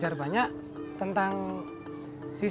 sama dengan seseorang berkolah kecil